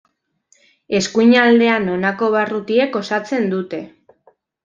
Eskuinaldean honako barrutiek osatzen dute.